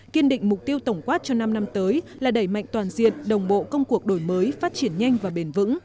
kiên định mục tiêu tổng quát cho năm năm tới là đẩy mạnh toàn diện đồng bộ công cuộc đổi mới phát triển nhanh và bền vững